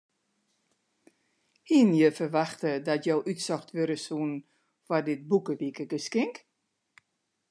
Hiene je ferwachte dat jo útsocht wurde soene foar dit boekewikegeskink?